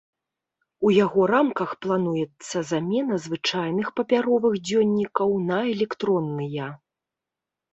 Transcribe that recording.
У яго рамках плануецца замена звычайных папяровых дзённікаў на электронныя.